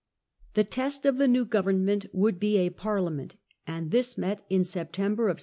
The test of the new government would be a Parliament, and this met in September, 1654.